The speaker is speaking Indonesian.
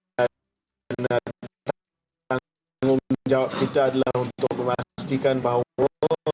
tangan umum jawab kita adalah untuk memastikan bahwa